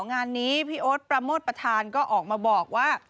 งานนี้พี่โอ๊ตประโมทประธานก็ออกมาบอกว่า